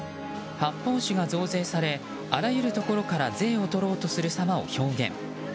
発泡酒が増税されあらゆるところから税を取ろうとするさまを表現。